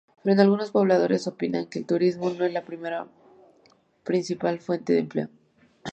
Pero algunos pobladores opinan que el "turismo... no es la principal fuente de empleo.